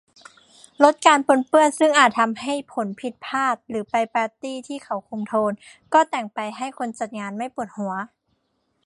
ลดการปนเปื้อนซึ่งอาจทำให้ผลผิดพลาด หรือไปปาร์ตี้ที่เขาคุมโทน ก็แต่งไปให้คนจัดงานไม่ปวดหัว